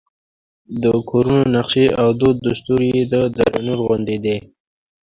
د کورونو نقشې او دود دستور یې د دره نور غوندې دی.